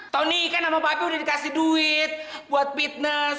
tony kan sama papi udah dikasih duit buat fitness